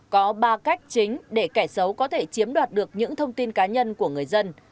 có ba cách chính để kẻ xấu có thể chiếm đoạt được những thông tin cá nhân của người dân